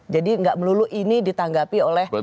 jadi nggak melulu ini ditanggapi oleh